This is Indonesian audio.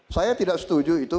saya tidak setuju itu